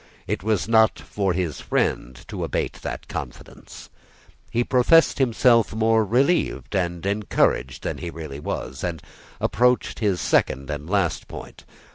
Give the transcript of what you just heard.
It was not for his friend to abate that confidence. He professed himself more relieved and encouraged than he really was, and approached his second and last point.